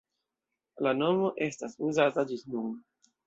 La nomo estas uzata ĝis nun.